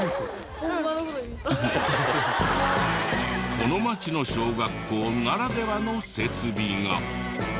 この町の小学校ならではの設備が。